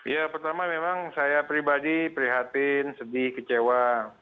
ya pertama memang saya pribadi prihatin sedih kecewa